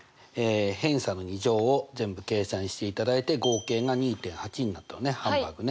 偏差の２乗を全部計算していただいて合計が２．８になったのね。